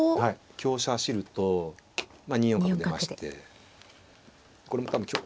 香車走ると２四角出ましてこれも多分香。